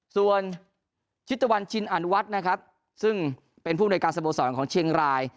ส่วนชิตวรรณชินอนุวัฒน์นะครับซึ่งเป็นผู้อำนวยการสโมสรของเชียงราย